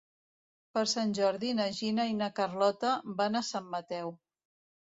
Per Sant Jordi na Gina i na Carlota van a Sant Mateu.